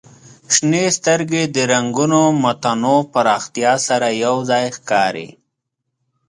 شنې سترګې د رنګونو متنوع پراختیا سره یو ځای ښکاري.